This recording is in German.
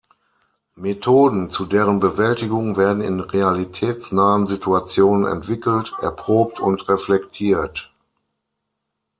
Methoden zu deren Bewältigung werden in realitätsnahen Situationen entwickelt, erprobt und reflektiert.